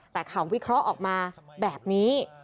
แต่เขาวิเคราะห์ออกมาแบบนี้